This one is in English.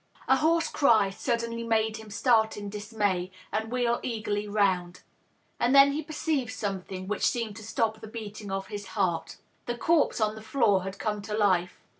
A hoarse cry suddenly made him start in dismay and wheel eagerly round. And then he perceived something which seemed to stop the beating of his heart. The corpse on the floor had come to life.